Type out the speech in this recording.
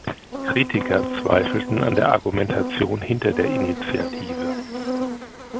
Kritiker zweifelten an der Argumentation hinter der Initiative.